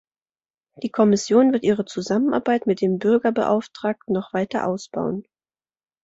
Die Kommission wird ihre Zusammenarbeit mit dem Bürgerbeauftragten noch weiter ausbauen.